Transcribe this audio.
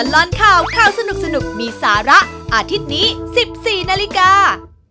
ตลอดข่าวข่าวสนุกมีสาระอาทิตย์นี้๑๔นาฬิกา